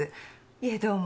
いえどうも。